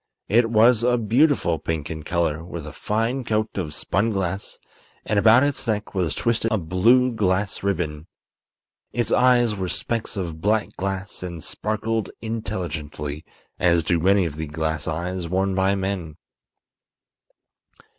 It was a beautiful pink in color, with a fine coat of spun glass, and about its neck was twisted a blue glass ribbon. Its eyes were specks of black glass and sparkled intelligently, as do many of the glass eyes worn by men.